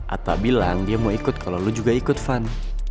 ata bilang dia mau ikut kalo lu juga ikut van